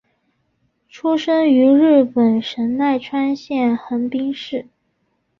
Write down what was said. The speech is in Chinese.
出生于日本神奈川县横滨市。